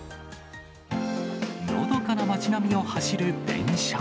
のどかな町並みを走る電車。